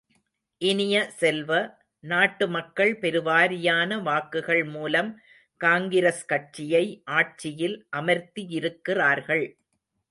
இனிய செல்வ, நாட்டு மக்கள் பெருவாரியான வாக்குகள் மூலம் காங்கிரஸ் கட்சியை ஆட்சியில் அமர்த்தியிருக்கிறார்கள்.